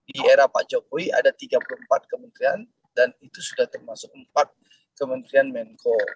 di era pak jokowi ada tiga puluh empat kementerian dan itu sudah termasuk empat kementerian menko